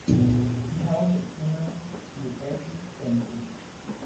Li havas edzinon, kiu estis pentristo.